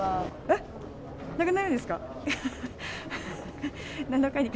えっ、なくなるんですか？